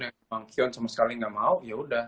yang kion sama sekali gak mau ya udah